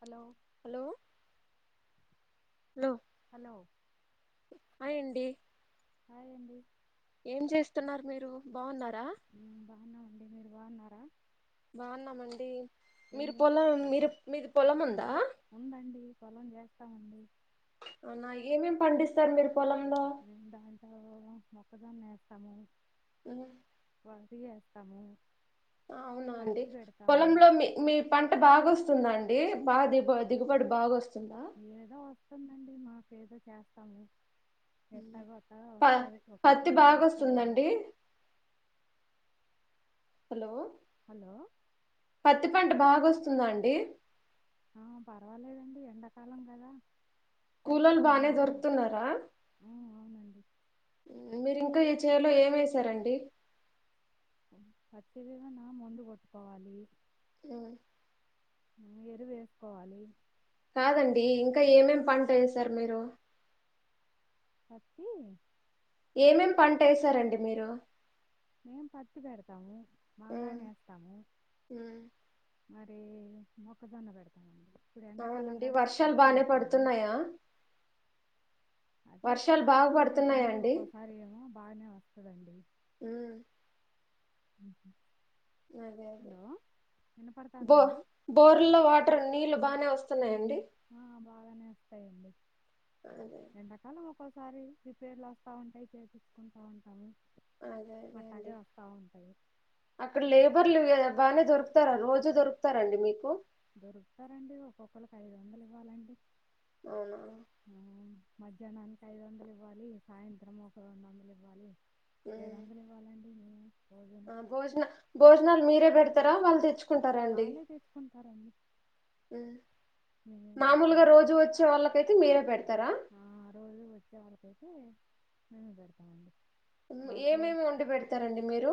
Hello hello లో hello ఆయండి అయండి ఏం చేస్తున్నారు మీరు బావున్నా మ్మ్ బాగున్నా వండి మీరు బాగున్నారా బాగున్నామండి ఏం మీరు చే పోలో మీరు మీరు పొలముందా ఉందండి పొలం జేస్తామండి అవునా ఏమేమేం పండిస్తారు మీరు పొలం మేము దాంటో మొక్కజొన్న వేస్తాము ఉనా పంచిగే యేస్తాము అవునా అండి పొలంలో మీ మీ పంట బాగొస్తుందా అ అంటే బా దిగు దిగుబడి బాగా వస్తంది ఏదో వస్తుందండి మాకెదో చేస్తాము ఎత్తగత్తగా ప వస్తుది ఒక పత్తి రకంగా బాగా వస్తుదండి వస్తుందండి హలో హలో వంట బాగా వస్తుందా అండి ఆ పర్వాలేదండి ఎండాకాలం కదా కుళోళ్ళు చేస్తాము బానే అట్ట దొరుకుతున్నారా ఉమ్, అవునండి మీరింకా చేలో ఏమసారండి పతి విగా నా ముందు కొట్టుకోవాలి ఆ ఎరువు వేసుకోవాలి కాదండి ఇంకా ఏమేమి పంట వేసారు మీరు పతి ఏమేమే పంట వేసారంండి మీరు మేం పత్తి పెడతాము ఉమ్ బాగానేేస్తాము ఉమ్ మరి మొక్కజోన్న పెడతాము అవునండి వర్షాలు బానే పడుతున్నాయా అది వర్షాలు ఒక్కోసారి బాగా పురుగు పడుతున్నాయా ఉంటుంది అండి ఒక్కోసారి ఏమో బాగానే వస్తుదండి ఉమ్ అఓహ అదే అదే బో వినపడుతుందండి బోర్ లో వాటర్ నీళ్ళ బాగానే వస్తున్నాయి ఆ బాగానే వస్తాయండి అదే ఎండకాలం ఒక్కోసారి రిపేర్లు వస్తా ఉంటాయి చేయిచ్చుకుంటా ఉంటాము అదే అదే అట్టాగే అండి వస్తూ ఉంటాయి అక్కడ లేబర్లు బాగా దొరుకు దొకుతారా రోజు దొరుకుతారండి మీకు దొరుకుతారండి ఒక్కొక్కరికి ఐదు వందలు ఇవ్వాలండి అవునా ఆ, మధ్యాహ్నానికి ఐదు వందలు ఇవ్వాలి సాయంత్రం ఒక రెండు వందలు ఇవ్వాలి ఉమ్ ఏడువందలు ఇవ్వాలండి మేము రోజును ఆ భోజన భోజనాలు మీరే బేడ్ తర వాళ్ళ తెచ్చు వాళ్ళే తెచ్చుకుంటారండి ఉమ్ మేం ఏం పెట్టం మామూలుగా రోజు వచ్చే వాళ్ళకైతే మీరే పెడతారా ఆ రోజు వచ్చే వాళ్ళకైతే మేమే పెడతామండి మాకు ఏమేమి వండి పెడతారండి మీరు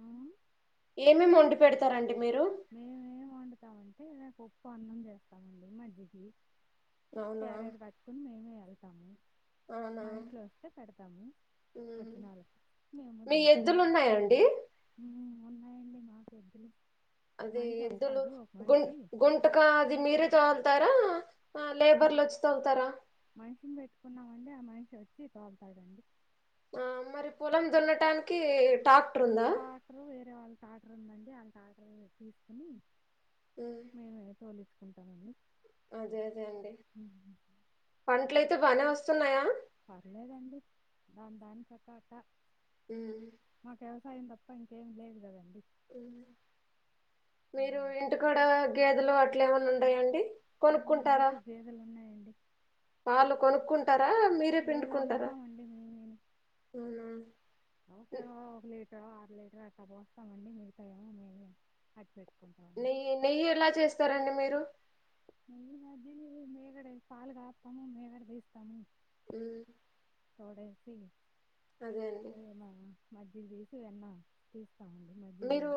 ఆ, ఏమేమి వండి పెడతారండి మీరు మేము ఏం వండుతామంటే పొప్పు అన్నం జేస్తామండి మజ్జిగి అవునా క్యారెజు కట్టుకుని మేమే వెళ్ తము అవునా మనుషులు వొస్తే పెడతాము ఉమ్. వచ్చినళ్ళకి మేము మీ దింటాం ఎద్దులు ఉన్నాయండి అది మనిషి ఎద్దులు వస్తాడు ఒక గు మనిషి గుంటుకా అది మీరే తోల్తరా ఆ లేబర్లు వచ్చి తోల్తరా మనిషిని పెట్టుకున్నామండి ఆ మనిషి వచ్చి తోల్తాడు ఆ మరి పొలం దున్నటానికి టాక్ టాటరు వేరే వాళ్ళ టాటరు ఉందండి అ కడర్ తీసుకుని ఉమ్, మేమే తొలి ఉంటా మండి అదే అదే అండి పంటలే లేస్తే బానే వస్తున్నాయా పర్లేదండి దాని దానికట్ట అట హ్మ్ సాయం తప్ప ఇంకేం లేదు కదండి మీరు అదండి. ఇంటి కూడ గేదెలు అట్ ట్లా ఏమన్న ఉన్నాయాండి ఆ! కొనుక్కుంటారా మాకు గేదెలున్నాయండి. పాలు కొనుక్కు లేదు అమ్ముతామండి మేము అవునా ఒకా లీ ఒక అర లీటర్ అట్లా పోస్తామండి మిగతావన్నీ మేమే [inaudible] నెయ్యి నెయ్యి ఎలా చేస్తారండి మీరు నెయ్యి మధ్య మీగడ పాలు కాస్తాము మీగడ తీస్తాము హ్మ్ తోడేసి అదే మజ్జిగ తీసి వెన్నా తీ మీరు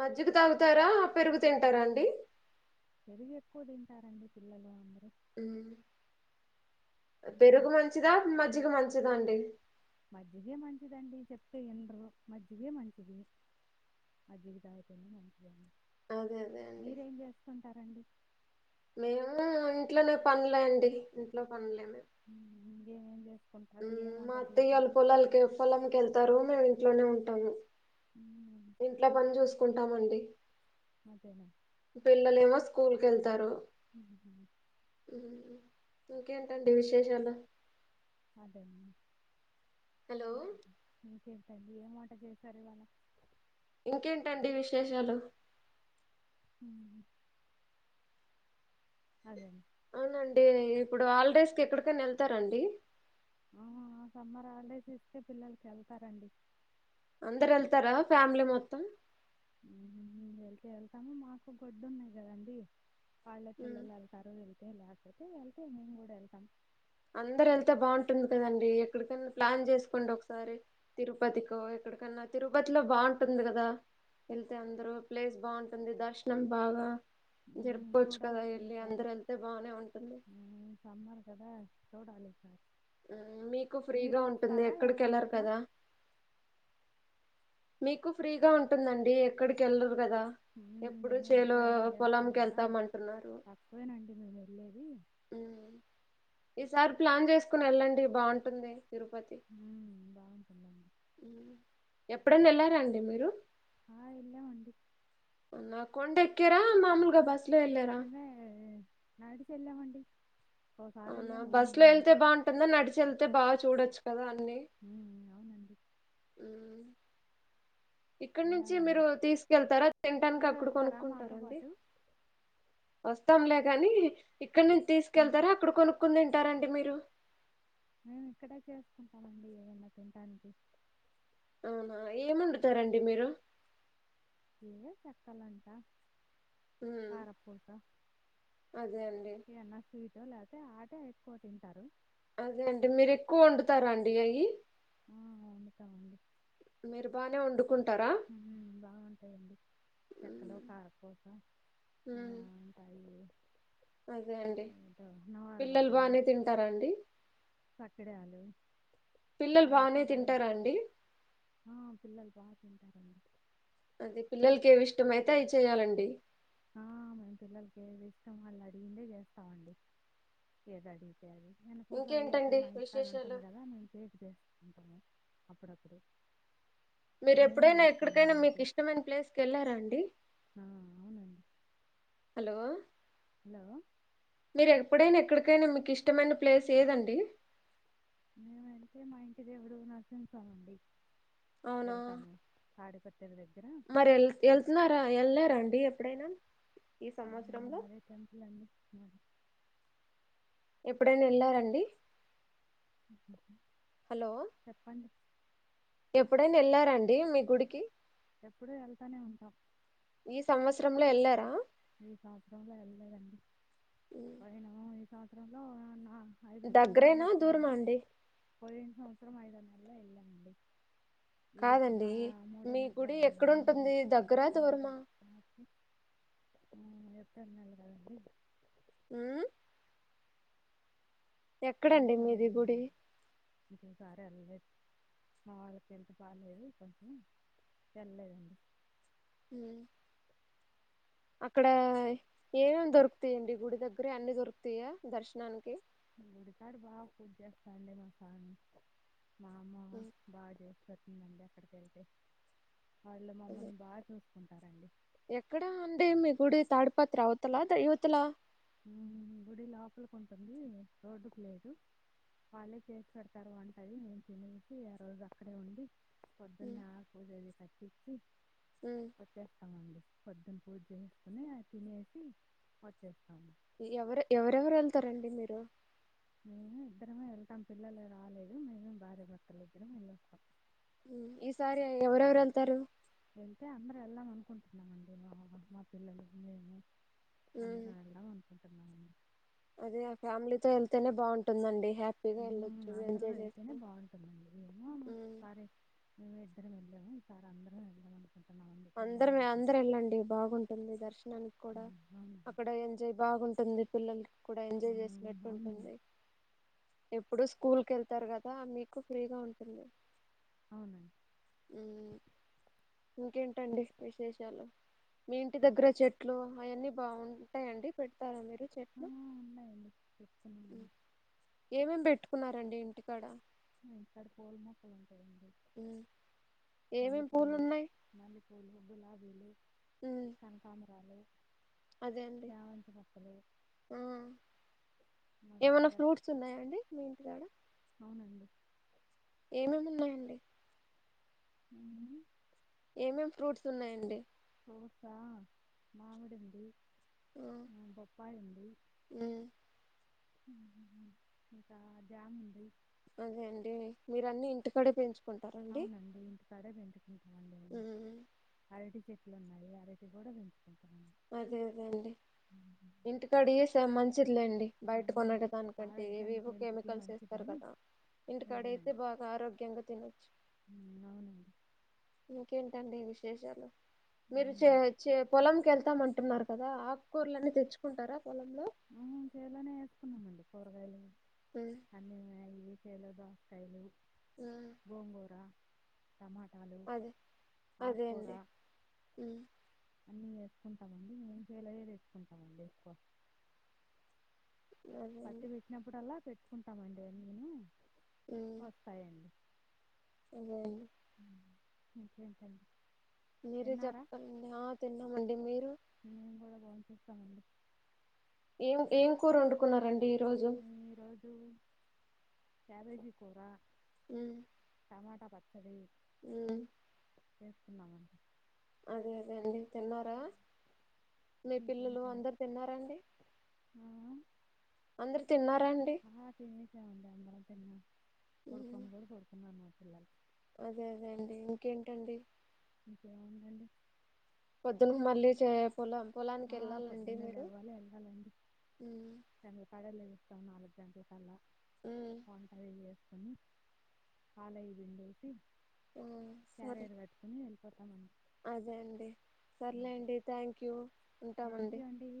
మజ్జిగ తాగుతారా పెరుగు తింటారా అండి పెరుగు ఎక్కువ తింటారండి పిల్లలు ఇంకే పెరుకు మంచించిదా మజ్జికి మంచించిద దా అండి మజ్జిగే మంచిదండి చెప్తే ఎనరు మజ్జిగే మంచిది మజ్జిగ తాగితేనే మంచిదండి అదే అదే అండి మీరేం చేస్తుంటారండి మేము ఇంట్లోనే పనులే అండి ఇంట్లో పనులేమ ఏమేం చేస్తా మా అత్త్యలు పొలక పొలంక వెళ్తారు మేము ఇంట్లోనే ఉంట టాము మ్మ్. ఇంట్లో పని చూసుకుంటామండి మంతేనా పిల్లలు ఏమో స్కూల్ క వెళ్తారు ఉమ్. హ ఇంకేంటండి విశేషాలు అదేం హలో ఇకే ఏ వంట చేసారు ఇవాళ ఇంకేంటండి విశేషాలు అదేండి అవునండి ఇప్పుడు హాలిడేస్ కి ఎక్కడికైనా వెళ్తారంండి ఆ సమ్మర్ హాలిడేస్ ఇస్తే పిల్లలకి వెళ్తారండి అందరు వెళ్తారా ఫ్యామిలీ మొత్తం వెళ్తే వెళ్తాము మాకు గొడ్డు ఉన్నాయి కదండి వాళ్ళె పిల్ల్లో ఎళ్తరు ఇళ్తే లేక పోతే వెళ్తే మేము కూడా వెళ్తాం అందరు వెళ్తే బాగుంటుంది కదండి ఎక్కడికన్నా ప్లాన్ చేసుకోండి ఒకసారి తిరుపతికో ఎక్కడికన్నా తిరుపతిలో బాగుంటుంది కదా వెళ్తే అందరు ప్లేస్ బాగుంటుంది దర్శనం బాగా మ్మ్. జరుపుకోవచ్చు కదా చూడాలండి వెళ్ళి ఈసారి అందరు వెళ్తే బానే ఉంటుంది చడలీ ఇంకా మీకు ఫ్రీగా ఉంటుంది ఎక్కడికి ఏమన్నా వెళ్లరు అట్లా కదా మీకు ఫ్రీగా ఉంటుందండి ఎక్కడికి వెళ్ళరు కదా మ్మ్. ఎప్పుడు మేము చేలు వ్యవసాయమే చేస్తాం పొలాంకి కదా వెళ్తామ అంటున్నారు తక్కువేనండి మేము వెళ్ళేది ఈసారి ప్లాన్ చేసుకుని వెళ్ళండి బాగుంటుంది తిరుపతి మ్మ్. బాగుంటుందండి ఎప్పుడైనా వెళ్లారంాండి మీరు ఆ ఎలాం అండి నాకుండ ఎక్క్యరా మామూలుగా బాస్ చెంద నాడు చెల్లమంట అవునా బస్ లో వెళ్తే అంతే బాగుంటుందా నడిచి వెళ్తే బాు చూడచ్చు కదా అ [inaudible] హ్మ్ ఇక్కడ నుంచి మీరు వెళ్ళాలండి తీసుకెళ్తారా తింటానికి మీరు అక్కడ వస్తారా మాతో కొనుక్కుంటారండి పాటు వస్తాం లే గనీ ఇక్కన్ నుంచి మ్మ్. తీసుకెళ్తారా అక్కడ కొనుకొని తిన్ ఉంటారండి మీరు మేము ఇక్కడ చేసుకుంటామ అండి ఏదన్నా తినడానికి అవునా ఏమీ వండుతారండి మీరు ఇదే చెక్కలంట ఉమ్, కారప్పూస అదే అండి ఏన్న స్ [inaudible] తింటారు అదే అండి మీరు ఎక్కువ వండుతారా అండి ఏయి ఆ వడుతామండి మీరు బానే ఉండు హ్మ్ బాగుంటాయిండి చెక్కలో ఉమ్, కారపుసలు ఆ ఉమ్, ఉంటాయి అదే అండి నవారు పిల్లలు బద్దలు బాగానే తింటారాండి హలో పిల్లలు బానే తింటారాండి పా తింటారండీ అదే పిల్లలకి ఏమి ఇష్టంమయితే అవి చెయాలండి ఆ మేం పిల్లలకి ఏది ఇష్టం వాళ్ళు అడిగిందే చేస్తామండి ఏది అడిగి అ వెనపూస అది అట్లా ఇంకేంటండి మా ఇంటికాడ విశేషాలు ఉంటుంది కదా కేక్ చేస్తుంటాము అప్పుడప్పుడు మీరు మేమే ఎప్పుడైనా ఎక్కడికైనా చేస్తామండి మీకు ఇంట్లో ఇష్టమైన ప్లేస్కి వెళ్ళారా అండి ఆ, అవునండి హలో హలో మీరు ఎప్పుడైనా ఎక్కడికైనా మీకు ఇష్టమైన ప్లేస్ ఏదండి మేము వెళ్తే మా ఇంటి దేవుడు నరసింహ స్వామి అండి అవునా వెళ్తాము తాడిపత్రి దగ్గర మరి వెల్ వెళ్తున్నారా వెళ్లారాండి ఎప్పుడైనా ఈ సంవత్సరంలో అదే టెంపుల్ అండి మరి ఎప్పుడైనా వెళ్లారండి చెప్పండి ఎప్పుడైనా వెళ్లారా అండి మీ గుడికి ఎప్పుడు వెళ్తానే ఉంటాం ఈ సంవత్సరంలో వెళ్ళారా ఈ సంవత్సరంలో వెళ్ళలేదండి పోయినా [inaudible] ఐదు నెలల్లో వెళ్లి దగ్గరేనా దూరమా వచ్చామండి అండి [unintelligible] ఐదో నెలో ఎల్లమండి ఇది ఇప్పుడు నా కాదండి మూడో మీ గుడి నగరాలండి ఎక్కడుంటుంది దగ్గరా [unintelligible] మూడురు దూరమా ఎప్పుడు నల్ రాదండి [unintelligible] హ్మ్ ఎక్కడ అండి మీది గుడి ఒకసారి వెళ్ళలేదు మా వాళ్ళకి హెల్త్ బాాలేదు కొంచెం వెళ్ళలేదండి అక్కడ ఏమేమి దొరుకుతాయండి గుడి దగ్గర అన్ని దొరుకుతాయా దర్శనానికి గుడికాడు బాగా పూజ్ చేస్తాండి మా స్వామి మామ ఉమ్ బాడ వక్క హ్మ్ అక్కడికి వెళ్తే వాళ్ళ మమ్మల్ని బాగా చూస్ కుంటారండి ఎక్కడా అందుకే మీ గుడి తాడిపాత్ర అవతల యువతల గుడి లోపలికి ఉంటుంది రోడ్డుకు లేదు వాళ్ళే చేసి పెడతారు వంటది మేము తినేసి ఆ రోజు అక్కడే ఉండి పొద్దున్న ఉమ్ ఆకు పూజ అది కట్టించిి ఉమ్ వచ్చేస్తామండి పొద్దున పూజ చేసుకుొని తినేసి వచ్చే ఎవరు ఎవరెవరు వెళ్తారండి మీరు మేమే ఇద్దరమే వెళ్తాం పిల్లలే రాలేదు మేమే భార్యభర్తలు ఇద్దరం వెళ్ళం ఈ సారి ఎవరెవరు వెళ్తారు వెళ్తే అందరూ వెళ్ళాం అనుకుంటున్నామండి మా మా పిల్లలు మేము అంత ఉమ్ ఎల్ ధామ్ అనుకుం అదే ఆ ఫ్యామిలీతో వెళ్తేనే బాగుంటుందండి హ్యాపీగా వెళ్ళొచ్చు అందరు ఎంజాయ్ వెళ్తేనే చేసుకుంటూ బాగుంటుందండి ఏమో ఉమ్ ఒకసారి మే [inaudible] అందరం వెళ్దమంట అందరే అందరు వెళ్ళండి బాగుంటుంది దర్శనానికి కూడా మ్మ్, అవునండి అక్కడ ఎంజాయ్ బాగుంటుంది పిల్లలు కూడా ఎంజాయ్ హ్మ్. చేసినట్టు అవునండి. ఉంటుంది ఎప్పుడు స్కూల్ క వెళ్తారు కదా మీకు ఫ్రీగా ఉంటుంది అవునం ఇంకేంటి ట్టండి విశేషాలు మీ ఇంటి దగ్గర చెట్లు అవన్నీ బాగుంటాయిడి పెడతారా మీరు ఆ! చెట్లు ఉన్నాయండి. హ్మ్ పెట్టుకున్నామండి. ఎం ఎం పెట్టుకున్నారు అం టండి ఇంటికాడ [unintelligible] పూల మొక్కలు ఏమేమి పూలు మల్లెపూలు ఉన్నాయి మల్లెపూలు గులాబీలు ఇంకేంటండి అదే అండి ఆ మా ఏమన్న దగ్గర ఫ్రూట్స్ ఉన్నాయా అండి మీ ఇంటి కాడ అవునండి. ఏమేమున్నాయండి ఆ ఏమేం ఫ్రూట్స్ ఉన్నాయండి ఫ్రూట్సా మామిడుంది ఆ బొప్పాయి ఉంది ఇంకా మా కాడ జామ్ ఉంది అదే అండి మీరన్ని ఇంటికాడే పెంచ్ అవునండి ఇంటికడే [inaudible] హ్మ్ అరటి చెట్లు ఉన్నాయి. అరటీ కూడా పెంచుకుంట్ అదే అదేండి ఇంటికడిజెస్త్ మంచిదిలేండి ఆ! బయట కొన్నేటివే కొన్నుకుంటే ఆరోగ్యానికి, ఏవేవో హెల్త్‌కి కెమికల్స్ వేస్తారు మంచిదని కదా. ఇంటికాడ ఎయ్యనండి. అయితే బాగా ఆరోగ్యంగా తినొచ్చు. హ్మ్. అవునండి. ఇంకేంటండి విశేషాలు మీరు చే అవునండి. చే పొల్లంకి వెళ్తామంట్ అంటున్నారు కదా ఆకుకూర్లన్నీ తెచ్చుకుంటారా పొలంలో హ్మ్ చేలోనే వేసుకున్నాంమండి కూరగాయలు ఉమ్ [unintelligible] చేల్లో దోసకాయ్లు ఉమ్ గోంగూరా అదే అదే అండి హ్మ్ అన్ని వేసుకుంటామండి మేము చేలో యదేసుకుంటామండి ఎక్కువ అదే పత్తి అండి పెట్టినప్పుడు అల్లా పెట్ కుంటామండి అన్నీను వొస్తాయండి ఇంకేమి హ్మ్ ఇంకేంటండి మీరే తిన్నారా? చెప్పండి ఆ తిన్నామండి మీరు మేము గూడా బోంచేసామండి ఏం ఏం కూరు వొండుకున్నారండి ఈ నీ ఈ రోజ్ క్యాబేజి కూర హ్మ్ టమాటా పచ్చడి హ్మ్ చేసుకున్నామండి అదే అదే అండి తిన్నారా మీ పిల్లలు ఇంకేంటండి. అందరు తిన్నారంండి ఆ! ఆ తిన సవడి అందరా న్నా కొడుకుని కూడా కొడుకున్నా అన్న ఇలా అదే అదే అండి ఇంకేంటండి ఇంకే ఉందండి పొద్దున్న మళ్ళీ చే పొలం పొలానికి ఆ వెళ్ళాలండి పొద్దున్నే లే మీరు అవ్వాలి వెళ్ళాలండి ఉమ్, కంగలు పడలేదు మం నాలుగు గంటల కల్లా ఉమ్, కొన్ంట విజస్త కని పాలయ్య బిండేసి ఆ సరే పోతామంది అదే అండి సర్లేండి థ్యాంక్ యూ ఉంటామండి థ్యాంక్ ూ అంటడి